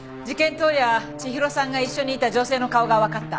当夜千尋さんが一緒にいた女性の顔がわかった。